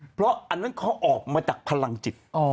เพราะอันนั้นเขาออกมาจากพลังจิต